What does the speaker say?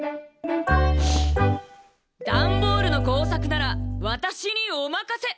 ダンボールのこうさくならわたしにおまかせ！